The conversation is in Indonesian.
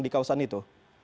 di kawasan itu